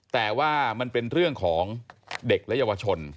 แต่ว่ามันเป็นเรื่องของเด็กและเยาวชน